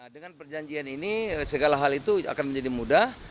dengan perjanjian ini segala hal itu akan menjadi mudah